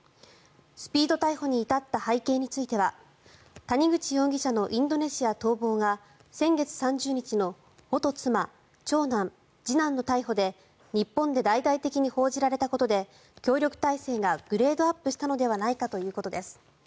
スピード逮捕に至った背景については谷口容疑者のインドネシア逃亡が先月３０日の元妻、長男、次男の逮捕で日本で大々的に報じされたことで協力体制がグレードアップしたのではないかということです。